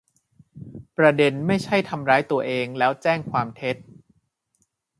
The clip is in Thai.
ประเด็นไม่ใช่ทำร้ายตัวเองแล้วแจ้งความเท็จ